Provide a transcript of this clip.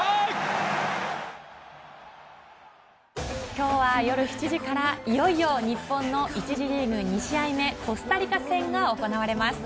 今日は夜７時からいよいよ日本の１次リーグ２試合目コスタリカ戦が行われます。